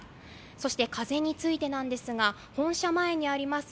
そして風についてですが、本社前にあります